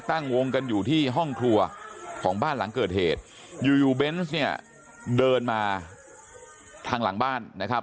ตั้งวงกันอยู่ที่ห้องครัวของบ้านหลังเกิดเหตุอยู่อยู่เบนส์เนี่ยเดินมาทางหลังบ้านนะครับ